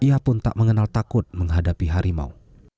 ia pun tak mengenal takut menghadapi harimau